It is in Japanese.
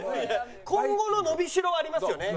今後の伸びしろはありますよね？